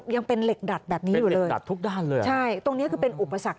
ยังเป็นเหล็กดัดแบบนี้อยู่เลยใช่ตรงนี้คือเป็นอุปสรรคเป็นเหล็กดัดทุกด้านเลย